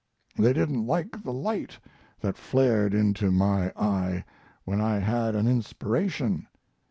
They didn't like the light that flared into my eye when I had an inspiration.